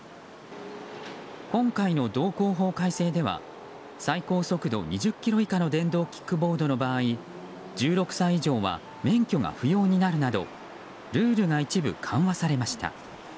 今回の道交法改正では最高速度２０キロ以下の電動キックボードの場合１６歳以上は免許が不要になるなどルールが一部緩和されました。